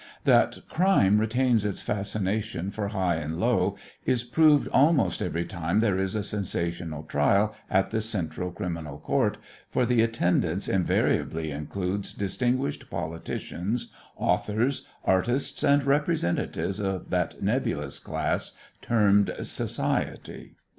That crime retains its fascination for high and low is proved almost every time there is a sensational trial at the Central Criminal Court, for the attendance invariably includes distinguished politicians, authors, artists and representatives of that nebulous class termed "Society."